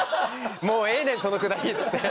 もうええねんそのくだりっつって。